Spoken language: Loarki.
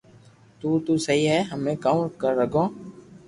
تو تو سھي ھي ھمي ڪاو ر ھگو